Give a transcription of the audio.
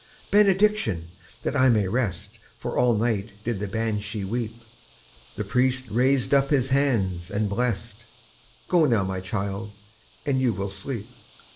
"Benediction, that I may rest, For all night did the Banshee weep." The priest raised up his hands and blest— "Go now, my child, and you will sleep."